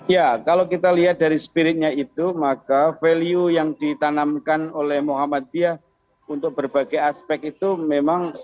ya kalau kita lihat dari spiritnya itu maka value yang ditanamkan oleh muhammadiyah untuk berbagai aspek itu memang